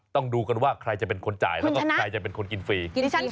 ต้องดูกันว่าใครจะเป็นคนจ่ายแล้วก็ใครจะเป็นคนกินฟรี